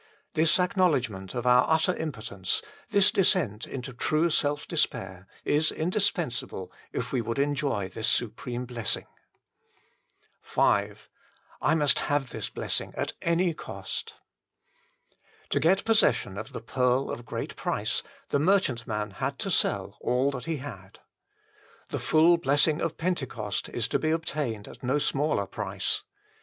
This acknowledgment of our utter impotence, this descent into true self despair, is indispens able if we would enjoy this supreme blessing. 1 Luke i. 38. HOW IT IS OBTAINED BY US 85 V / must have this blessing at any cost. To get possession of the pearl of great price, the merchant man had to sell all that he had. The full blessing of Pentecost is to be obtained at no smaller price.